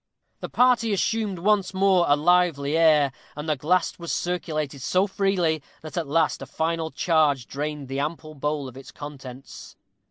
_ The party assumed once more a lively air, and the glass was circulated so freely, that at last a final charge drained the ample bowl of its contents.